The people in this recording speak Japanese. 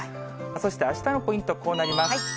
そしてあしたのポイント、こうなります。